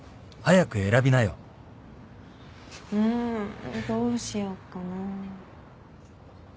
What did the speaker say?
うんどうしよっかな。